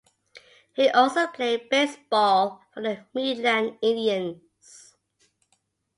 He also played baseball for the Midland Indians.